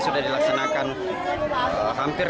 sudah dilaksanakan hampir